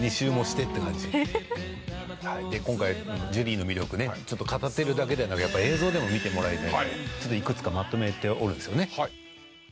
今回ジュリーの魅力ね語ってるだけではなくやっぱり映像でも見てもらいたいのでいくつかまとめておるんですよね。